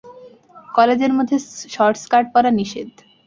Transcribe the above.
কলেজের মধ্যে short skirt পরা নিষেধ।